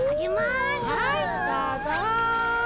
はいどうぞ。